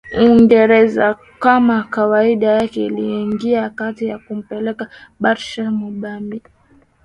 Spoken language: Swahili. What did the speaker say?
Uingereza kama kawaida yake iliingilia kati na kumpeleka Bargash Mumbai